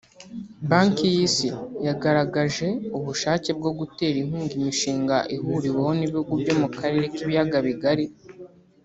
Banki y’isi yagaragaje ubushake bwo gutera inkunga imishinga ihuriweho n’ibihugu byo mu karere k’ibiyaga bigari